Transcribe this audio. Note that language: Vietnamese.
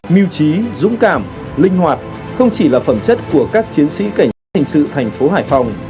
mưu trí dũng cảm linh hoạt không chỉ là phẩm chất của các chiến sĩ cảnh sát hình sự thành phố hải phòng